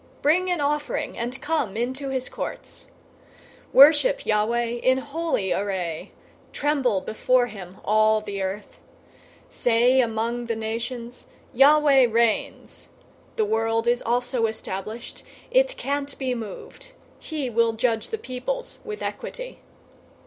Bring an offering, and come into his courts. 096:009 Worship Yahweh in holy array. Tremble before him, all the earth. 096:010 Say among the nations, "Yahweh reigns." The world is also established. It can't be moved. He will judge the peoples with equity.